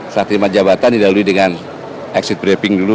setelah terima jabatan didalami dengan exit briefing dulu